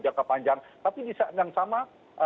jaka panjang tapi yang sama